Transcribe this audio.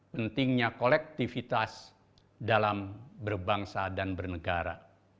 pentingnya kolektivitas dalam berbangsa dan bernegara